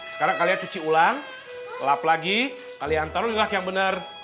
sekarang kalian cuci ulang lap lagi kalian taruh yang bener